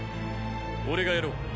俺がやろう。